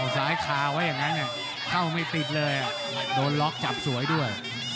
ซ้ายคาไว้อย่างนั้นเข้าไม่ติดเลยโดนล็อกจับสวยด้วย